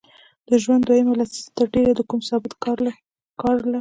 د ژوند دویمه لسیزه تر ډېره د کوم ثابت کار له